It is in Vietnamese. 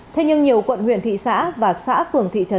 thế nhưng nhiều quận huyện thị xã và xã phường thị trấn